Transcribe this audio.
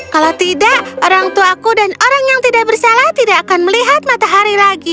kalau tidak orangtuaku dan orang yang tidak bersalah tidak akan melihat matahari lagi